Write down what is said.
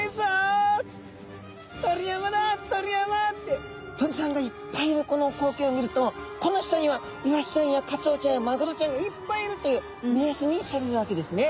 鳥山だあ鳥山！」って鳥さんがいっぱいいるこの光景を見るとこの下にはイワシちゃんやカツオちゃんやマグロちゃんがいっぱいいるという目安にされるわけですね。